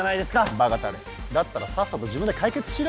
バカタレだったらさっさと自分で解決しろ。